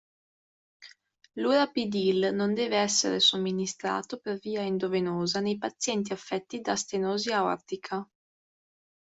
L'urapidil non deve essere somministrato per via endovenosa nei pazienti affetti da stenosi aortica.